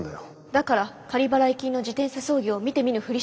だから仮払い金の自転車操業を見て見ぬふりしたんですか？